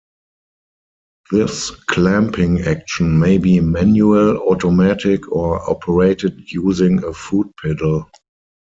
This clamping action may be manual, automatic or operated using a foot pedal.